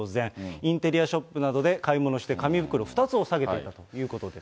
インテリアショップなどで買い物して、紙袋２つを提げていたということです。